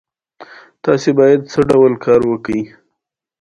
ملي متر د متر زرمه برخه ده او مایکرو د یو میلیونمه برخه ده.